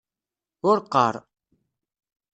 Ur qqar.